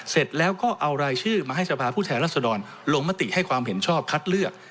เสร็จแล้วก็เอารายชื่อมาให้สภาพผู้แทนรัศดรลงมติให้ความเห็นชอบคัดเลือก